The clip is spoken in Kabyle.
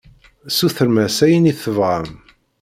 Sutrem-as ayen i tebɣam.